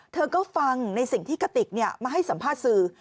เธอก็ฟังในสิ่งที่กติกมาให้สัมภาษณ์สื่อ